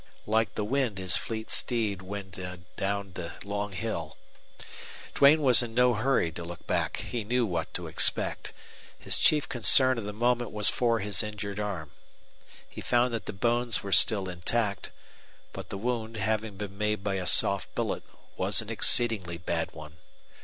Like the wind his fleet steed wend down the long hill. Duane was in no hurry to look back. He knew what to expect. His chief concern of the moment was for his injured arm. He found that the bones were still intact; but the wound, having been made by a soft bullet, was an exceedingly bad one.